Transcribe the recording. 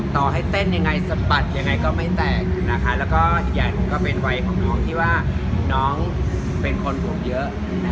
ต่อให้เต้นยังไงสะบัดยังไงก็ไม่แตกนะคะแล้วก็อีกอย่างก็เป็นวัยของน้องที่ว่าน้องเป็นคนบวกเยอะ